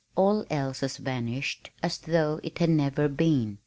All else has vanished as though it had never been.